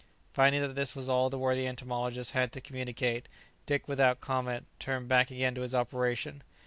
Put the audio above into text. Finding that this was all the worthy entomologist had to communicate, Dick, without comment, turned back again to his operation.